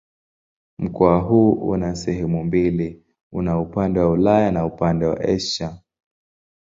Mkoa huu una sehemu mbili: una upande wa Ulaya na upande ni Asia.